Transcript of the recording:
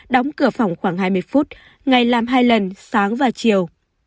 đóng cửa phòng khoảng hai mươi phút ngày làm hai lần sáng và chiều